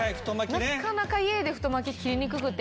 なかなか家で太巻き切りにくくて。